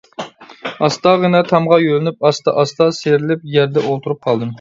ئاستاغىنا تامغا يۆلىنىپ، ئاستا-ئاستا سىيرىلىپ يەردە ئولتۇرۇپ قالدىم.